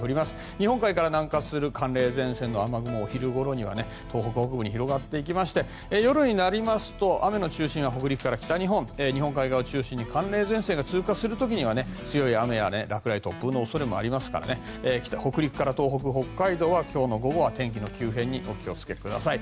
日本海から南下する寒冷前線でお昼ごろには東北北部に広がっていきまして夜になりますと、雨の中心は北陸から北日本日本海側から中心に寒冷前線が通過する時には強い雨や突風落雷がありますから北陸、東北、北海道今日の午後は天気の急変にお気をつけください。